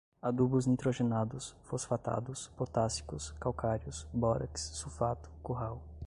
adubos nitrogenados, fosfatados, potássicos, calcários, bórax, sulfato, curral